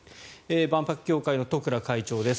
万博協会の十倉会長です。